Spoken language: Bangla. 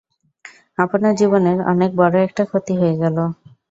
আপনার জীবনের অনেক বড় একটা ক্ষতি হয়ে গেলো।